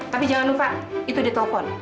tapi jangan lupa itu di telfon